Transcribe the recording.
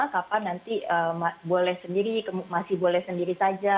kapan nanti boleh sendiri masih boleh sendiri saja